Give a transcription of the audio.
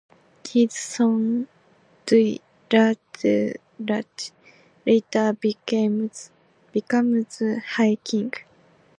His son Dui Ladrach later becomes High King.